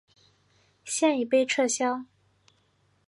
现已被撤销。